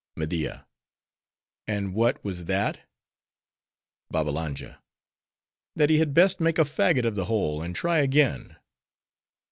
MEDIA—And what was that? BABBALANJA—That he had best make a faggot of the whole; and try again.